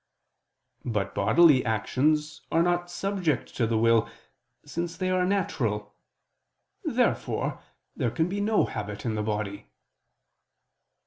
But bodily actions are not subject to the will, since they are natural. Therefore there can be no habit in the body.